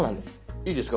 いいですか？